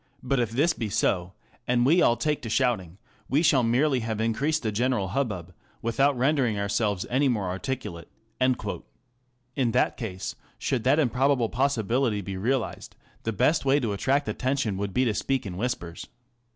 But if this be so, and we all take to shouting, we shall merely have increased the general hubbub, without rendering ourselves any more articulate." In that case, should that improbable possibility be realized, the best way to attract attention would be to speak in whispers.